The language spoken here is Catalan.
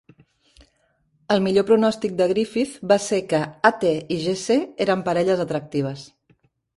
El millor pronòstic de Griffith va ser que A.T i G:C eren parelles atractives.